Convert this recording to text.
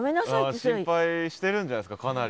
心配してるんじゃないですかかなり。